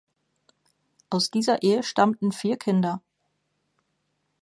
Aus dieser Ehe stammten vier Kinder.